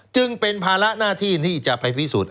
จึงเป็นภาระหน้าที่ให้พิสูจน์